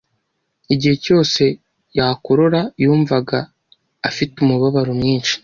Igihe cyose yakorora, yumvaga afite umubabaro mwinshi.